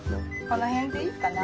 この辺でいいかな？